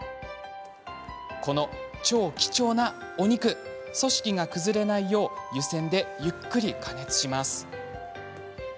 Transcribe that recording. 超貴重なこのお肉組織が崩れないよう湯煎でゆっくり加熱します。